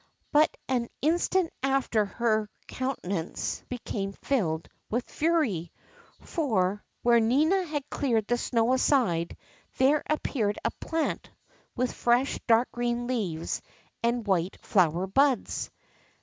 But an instant after her countenance became filled wuth fury ; for, where Nina had cleared the snow aside, there appeared a plant with fresh dark green leaves and white flower buds.